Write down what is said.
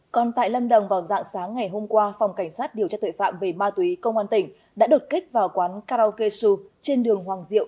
còn tại lâm đồng vào dạng sáng ngày hôm qua phòng cảnh sát điều tra tội phạm về ma túy công an tỉnh đã đột kích vào quán karaoke su trên đường hoàng diệu